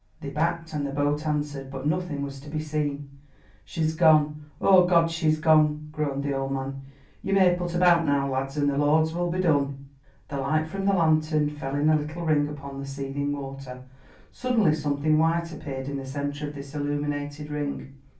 They backed, and the boat answered, but nothing was to be seen. "She's gone! Oh, Goad, she's gone!" groaned the old man. "You may put about now, lads, and the Lord's will be done." The light from the lantern fell in a little ring upon the seething water. Suddenly something white appeared in the centre of this illuminated ring.